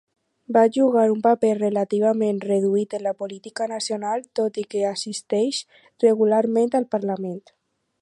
Va jugar un paper relativament reduït en la política nacional, tot i que assisteix regularment al Parlament.